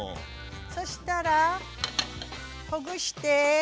そしたらほぐして。